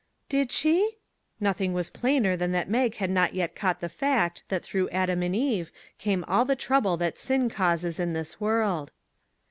" Did she ?" Nothing was plainer than that Mag had not yet caught the fact that through Adam and Eve came all the trouble that sin causes in this world.